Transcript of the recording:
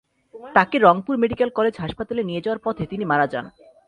তাঁকে Rangpur medical college হাসপাতালে নিয়ে যাওয়ার পথে তিনি মারা যান।